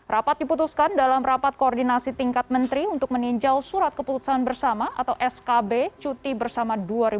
rapat diputuskan dalam rapat koordinasi tingkat menteri untuk meninjau surat keputusan bersama atau skb cuti bersama dua ribu dua puluh